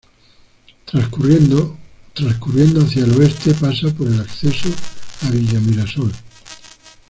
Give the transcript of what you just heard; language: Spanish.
Transcurriendo hacia el oeste, pasa por el acceso a Villa Mirasol.